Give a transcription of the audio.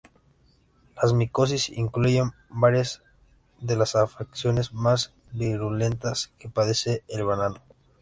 Las micosis incluyen varias de las afecciones más virulentas que padece el banano.